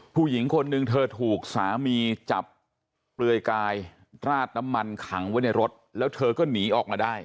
ผู้หญิงคนนึงเธอถูกสามีจับเปลือยกายราดน้ำมันขังไว้ในรถแล้วเธอก็หนีออกมาได้